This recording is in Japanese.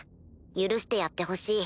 許してやってほしい。